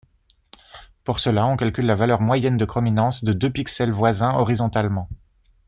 Pour cela, on calcule la valeur moyenne de chrominance de deux pixels voisins horizontalement.